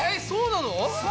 そうなの？